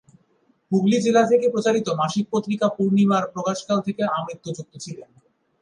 হুগলি জেলা থেকে প্রচারিত মাসিক পত্রিকা "পূর্ণিমা" র প্রকাশকাল থেকে আমৃত্যু যুক্ত ছিলেন।